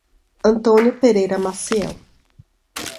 Antônio Pereira Maciel